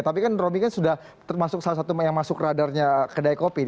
tapi kan romi kan sudah termasuk salah satu yang masuk radarnya kedai kopi